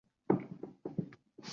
profilim o’chirilsin